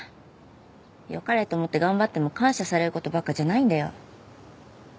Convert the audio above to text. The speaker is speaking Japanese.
良かれと思って頑張っても感謝される事ばっかじゃないんだよ。